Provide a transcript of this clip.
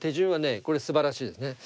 これすばらしいですね。